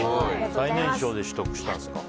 最年少で取得したんですか。